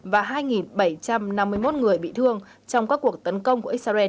và hai bảy trăm năm mươi một người bị thương trong các cuộc tấn công của israel